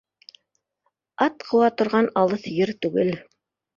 Ат ҡыуа торған алыҫ ер түгел.